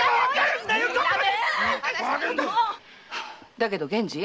だけど源次。